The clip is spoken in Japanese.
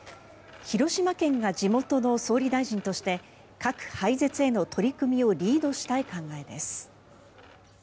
広島県が地元の総理大臣として核廃絶への取り組みをリードしたい考えです。